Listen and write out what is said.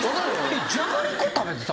じゃがりこ食べてたの？